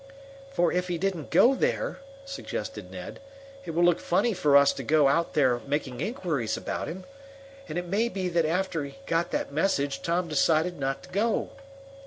"For if he didn't go there," suggested Ned, "it will look funny for us to go out there making inquiries about him. And it may be that after he got that message Tom decided not to go."